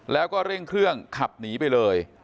แล้วก็เร่งเครื่องขับหนีไปเลย